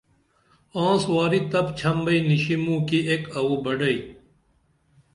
آنس واری تپچھم بئی نِشی موں کی ایک اوو بڈئی